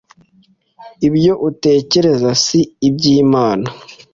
ibyo utekereza si iby Imana